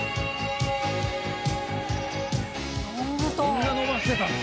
こんな伸ばしてたんだ！